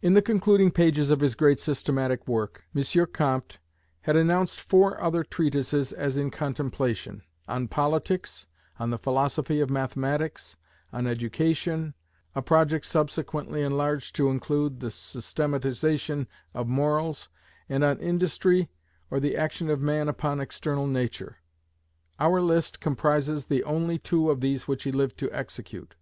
In the concluding pages of his great systematic work, M. Comte had announced four other treatises as in contemplation: on Politics; on the Philosophy of Mathematics; on Education, a project subsequently enlarged to include the systematization of Morals; and on Industry, or the action of man upon external nature. Our list comprises the only two of these which he lived to execute.